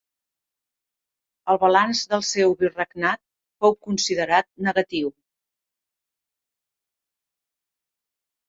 El balanç del seu virregnat fou considerat negatiu.